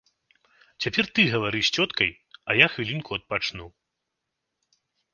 Цяпер ты гавары з цёткай, а я хвілінку адпачну.